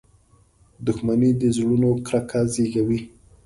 • دښمني د زړونو کرکه زیږوي.